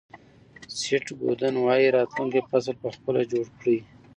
سیټ گودن وایي راتلونکی فصل په خپله جوړ کړئ.